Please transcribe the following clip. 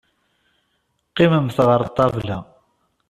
Qqimemt ɣer ṭṭabla.